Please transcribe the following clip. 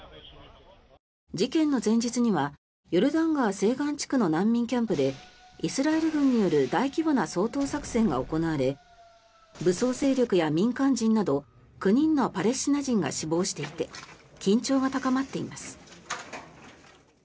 事件の前日にはヨルダン川西岸地区の難民キャンプでイスラエル軍による大規模な掃討作戦が行われ武装勢力や民間人など９人のパレスチナ人が死亡していて緊張が高まっています。